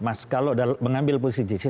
mas kalau mengambil posisi